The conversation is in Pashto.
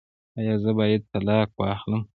ایا زه باید طلاق واخلم؟